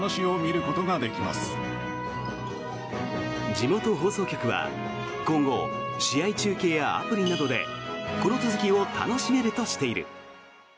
地元放送局は今後試合中継やアプリなどでこの続きを楽しめるとしている。